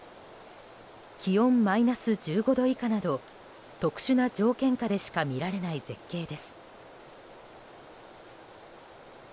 気温マイナス１５度以下など特殊な条件下でしか見られない絶景です。